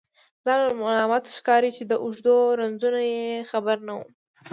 ځان مې ملامت ښکاري چې د اوږدو رنځونو یې خبر نه وم.